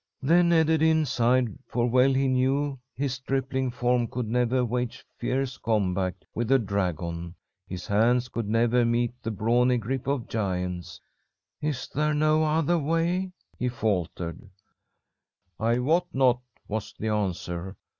"Then Ederyn sighed, for well he knew his stripling form could never wage fierce combat with a dragon. His hands could never meet the brawny grip of giants. 'Is there no other way?' he faltered. 'I wot not,' was the answer.